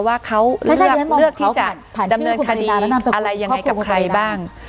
ว่าเขาจะเลือกที่จะดำเนินคดีอะไรยังไงกับใครบ้าง